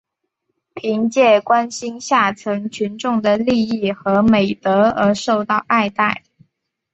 凭借关心下层群众的利益和美德而受到爱戴。